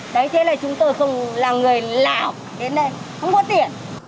đấy thế là chúng tôi không là người lạ đến đây không có tiền